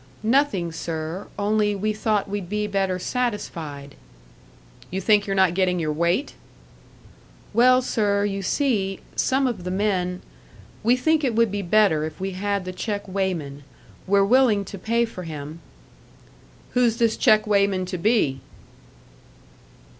"Nothing, sir; only we thought we'd be better satisfied." "You think you're not getting your weight?" "Well, sir, you see some of the men we think it would be better if we had the check weighman. We're willing to pay for him." "Who's this check weighman to be?"